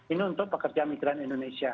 ini untuk pekerja migran indonesia